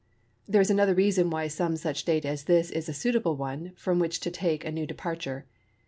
There is another reason why some such date as this is a suitable one from which to take a new departure.